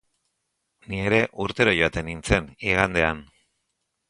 Ni ere urtero joaten nintzen, igandean.